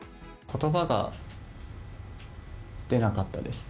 ことばが出なかったです。